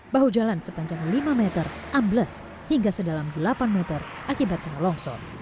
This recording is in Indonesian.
bahu jalan sepanjang lima meter ambles hingga sedalam delapan meter akibat tanah longsor